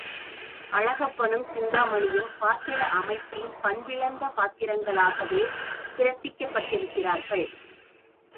அழகப்பனும், சிந்தாமணியும் பாத்திர அமைப்பின் பண்பிழந்த பாத்திரங்களாகவே பிறப்பிக்கப்பட்டிருக்கிறார்கள்.